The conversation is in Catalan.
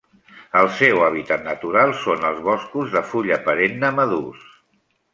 El seu hàbitat natural són els boscos de fulla perenne madurs.